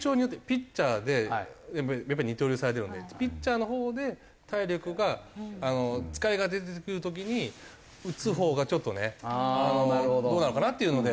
ピッチャーでやっぱり二刀流されているのでピッチャーのほうで体力があの疲れが出てくる時に打つほうがちょっとねどうなのかなっていうので。